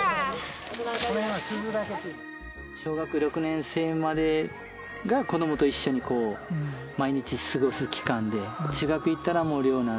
小学６年生までが子どもと一緒にこう毎日過ごす期間で中学へ行ったらもう寮になる。